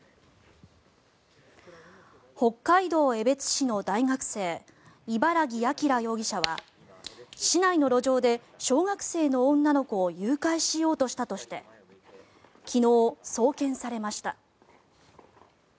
北海道江別市の大学生茨木耀容疑者は市内の路上で小学生の女の子を誘拐しようとしたとして昨日、送検されました。